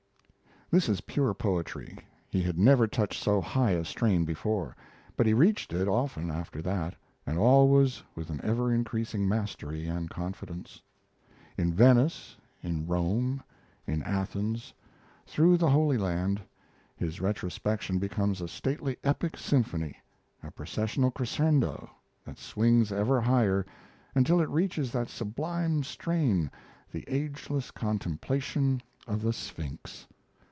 This is pure poetry. He had never touched so high a strain before, but he reached it often after that, and always with an ever increasing mastery and confidence. In Venice, in Rome, in Athens, through the Holy Land, his retrospection becomes a stately epic symphony, a processional crescendo that swings ever higher until it reaches that sublime strain, the ageless contemplation of the Sphinx.